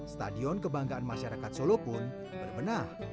stadion kebanggaan masyarakat solo pun berbenah